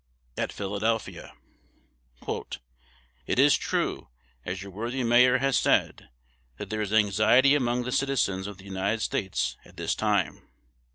At Philadelphia: "It is true, as your worthy mayor has said, that there is anxiety among the citizens of the United States at this time.